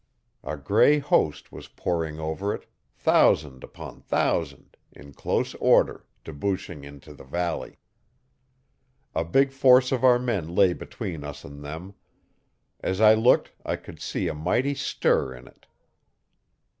A grey host was pouring over it thousand upon thousand in close order, debouching into the valley. A big force of our men lay between us and them. As I looked I could see a mighty stir in it.